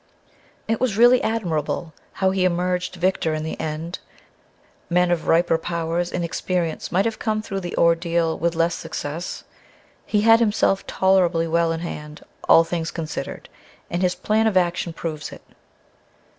It was really admirable how he emerged victor in the end; men of riper powers and experience might have come through the ordeal with less success. He had himself tolerably well in hand, all things considered, and his plan of action proves it.